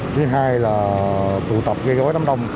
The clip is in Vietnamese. thứ hai là tụ tập gây gói đám đông